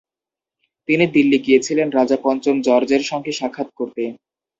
তিনি দিল্লি গিয়েছিলেন রাজা পঞ্চম জর্জের সঙ্গে সাক্ষাৎ করতে।